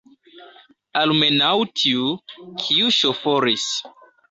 Almenaŭ tiu, kiu ŝoforis!